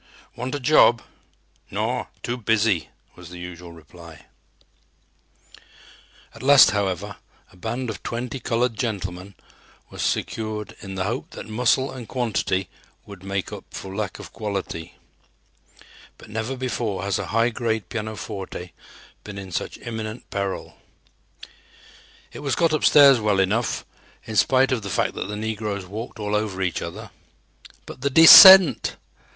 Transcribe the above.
"Want a job?" "Naw, too busy," was the usual reply. At last, however, a band of twenty "colored gentlemen" was secured in the hope that muscle and quantity would make up for lack of quality. But never before has a high grade pianoforte been in such imminent peril. It was got upstairs well enough, in spite of the fact that the negroes walked all over each other. But the descent!